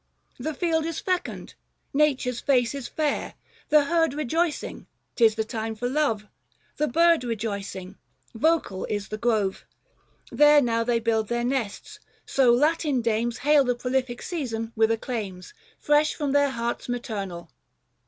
The field is fecund, Nature's face is fair ; 255 The herd rejoicing, 'tis the time for love ; The bird rejoicing, vocal is the grove, There now they build their nests ; so Latin dames Hail the prolific season with acclaims 76 THE FASTI. Book III, Fresh from their hearts maternal.